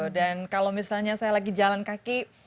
dan kalau misalnya saya lagi jalan kaki